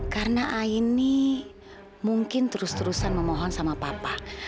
karena aini mungkin terus terusan memohon sama papa